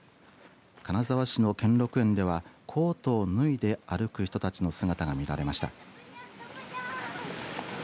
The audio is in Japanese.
金沢市の兼六園ではコートを脱いで歩く人たちの姿が見られました。